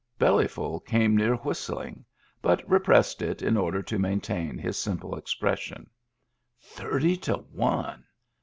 Bell)rful came near whistling, but repressed it in order to maintain his simple expression. Thirty to one!